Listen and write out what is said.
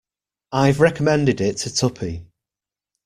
I've recommended it to Tuppy.